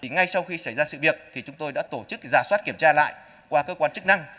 ngay sau khi xảy ra sự việc chúng tôi đã tổ chức giả soát kiểm tra lại qua cơ quan chức năng